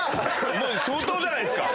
もう相当じゃないですか。